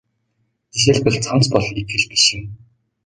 Жишээлбэл цамц бол итгэл биш юм.